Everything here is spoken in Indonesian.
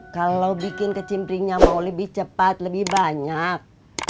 kalau bikin kecimpringnya mau lebih cepat lebih banyak